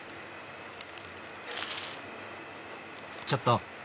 ちょっと！